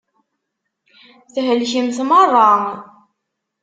Thelkemt meṛṛa.